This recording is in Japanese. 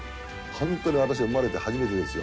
本当に私生まれて初めてですよ。